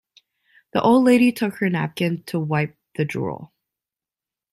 The old lady took her napkin to wipe the drool.